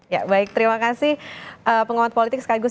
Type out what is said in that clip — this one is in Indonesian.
ya baik terima kasih penguat politik skagus